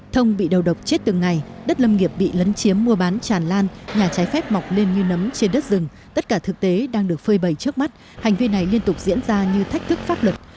thông bị đầu độc chết từng ngày đất lâm nghiệp bị lấn chiếm mua bán tràn lan nhà trái phép mọc lên như nấm trên đất rừng tất cả thực tế đang được phơi bầy trước mắt hành vi này liên tục diễn ra như thách thức pháp luật